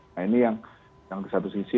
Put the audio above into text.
nah ini yang di satu sisi